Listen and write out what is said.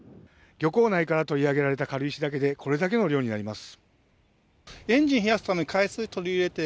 漁港内から取り上げられた軽石だけで、これだけの量になります。